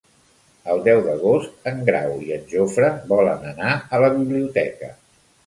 El deu d'agost en Grau i en Jofre volen anar a la biblioteca.